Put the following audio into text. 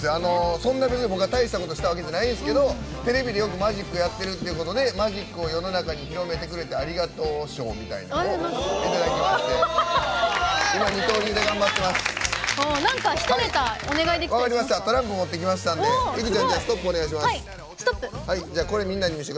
そんな僕は大したことしたわけじゃないんですけどテレビでよくマジックやっているっていうことでマジックを世の中に広めてくれてありがとう賞みたいなものをいただきまして。